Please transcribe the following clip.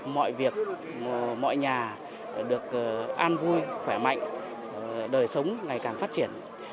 mọi việc mọi nhà được an vui khỏe mạnh đời sống ngày càng phát triển